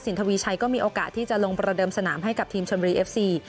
ทวีชัยก็มีโอกาสที่จะลงประเดิมสนามให้กับทีมชนบุรีเอฟซี